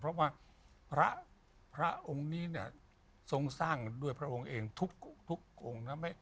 เพราะว่าพระองค์นี้เนี่ยทรงสร้างด้วยพระองค์เองทุกองค์นะ